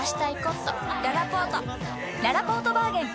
ららぽーとバーゲン開催！